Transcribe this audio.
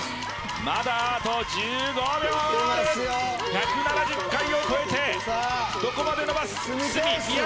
まだあと１５秒ある１７０回を超えてどこまで伸ばす鷲見２９５